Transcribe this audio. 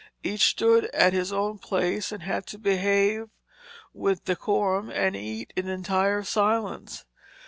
Each stood at his own place and had to behave with decorum and eat in entire silence.